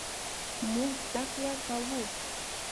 مونږ زده کړه کوو